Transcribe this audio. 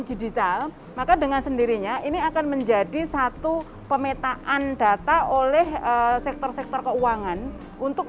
digital maka dengan sendirinya ini akan menjadi satu pemetaan data oleh sektor sektor keuangan untuk